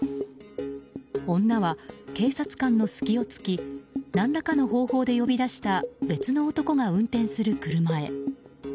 女は警察官の隙を突き何らかの方法で呼び出した別の男が運転する車へ。